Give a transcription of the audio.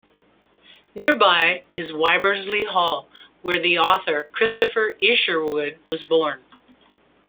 Nearby is Wybersley Hall, where the author Christopher Isherwood was born.